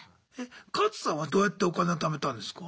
カツさんはどうやってお金を貯めたんですか？